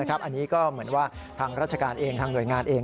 อันนี้ก็เหมือนว่าทางราชการเองทางหน่วยงานเอง